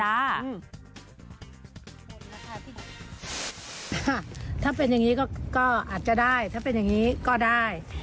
ถ้าเป็นอย่างนี้ก็อาจจะได้ถ้าเป็นอย่างนี้ก็ได้